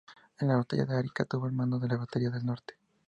En la batalla de Arica, tuvo el mando de las baterías del Norte.